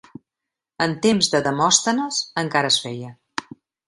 En temps de Demòstenes encara es feia.